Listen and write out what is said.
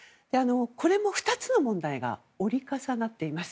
これも２つの問題が折り重なっています。